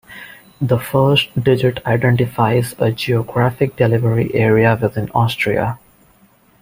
The first digit identifies a geographic delivery area within Austria.